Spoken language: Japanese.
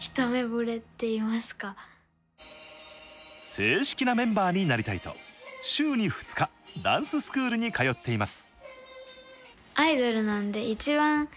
正式なメンバーになりたいと、週に２日、ダンススクールに通っています。